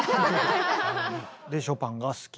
でショパンが好きと。